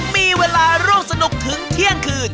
มีเวลาร่วมสนุกถึงเที่ยงคืน